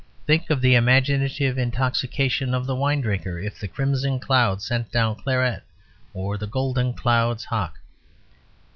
Think of the imaginative intoxication of the wine drinker if the crimson clouds sent down claret or the golden clouds hock.